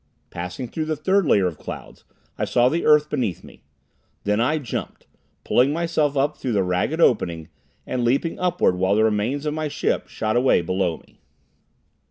Passing through the third layer of clouds I saw the earth beneath me. Then I jumped, pulling myself up through the jagged opening, and leaping upward while the remains of my ship shot away below me.